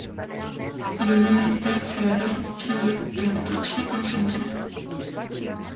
Le monastère fut alors pillé et en partie incendié.